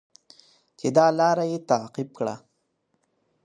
چې دا لاره یې تعقیب کړه.